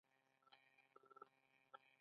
مرغۍ وزرې وڅنډلې؛ ولاړه.